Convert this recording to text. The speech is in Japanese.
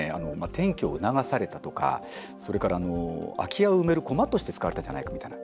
転居を促されたとか、それから空き家を埋めるコマとして使われてるんじゃないかみたいな。